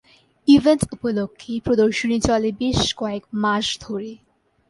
Event উপলক্ষে, প্রদর্শনী চলে বেশ কয়েক মাস ধরে।